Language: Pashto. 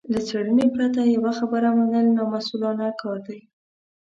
له څېړنې پرته يوه خبره منل نامسوولانه کار دی.